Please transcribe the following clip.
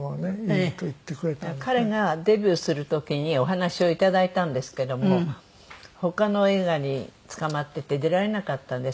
彼がデビューする時にお話をいただいたんですけども他の映画につかまってて出られなかったんですね。